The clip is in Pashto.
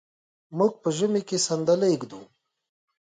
موږ په ژمي کې صندلی ږدو.